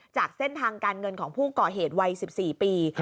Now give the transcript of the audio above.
จากเส้นทางการเงินของผู้ก่อเหตุวัย๑๔ปี